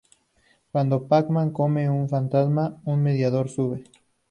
Cuando Pac-Man come un fantasma, un medidor sube.